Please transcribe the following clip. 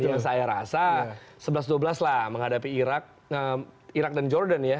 yang saya rasa sebelas dua belas lah menghadapi irak dan jordan ya